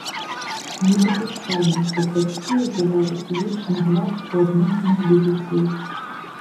Недапушчальна, каб бацькі ўжывалі фізічны гвалт у адносінах для дзяцей.